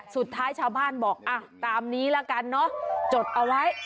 สุดท้ายชาวบ้านบอกอ่ะตามนี้ละกันเนอะจดเอาไว้